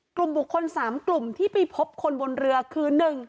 กลุ่มบุคคล๓กลุ่มที่ไปพบคนบนเรือคือ๑